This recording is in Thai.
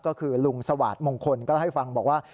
ก็คือลุงสวาสตร์มงคลก็เล่าให้ฟังบอกว่า